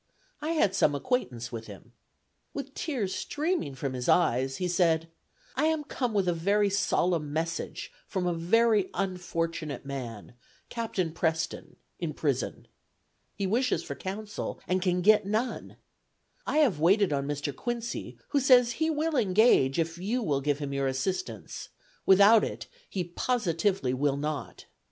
I had some acquaintance with him. With tears streaming from his eyes, he said, 'I am come with a very solemn message from a very unfortunate man, Captain Preston, in prison. He wishes for counsel, and can get none. I have waited on Mr. Quincy, who says he will engage, if you will give him your assistance; without it, he positively will not.